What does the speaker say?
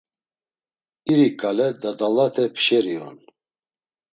İri ǩale dadalate pşeri on.